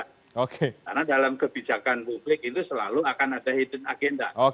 karena dalam kebijakan publik itu selalu akan ada hidden agenda